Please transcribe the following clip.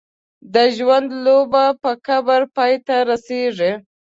د ژوند لوبه په قبر پای ته رسېږي.